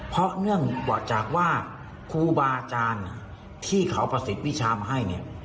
เพราะเนื่องบอกจากว่าครูบาอาจารย์ที่เขาประสิทธิ์วิชามาให้เนี่ย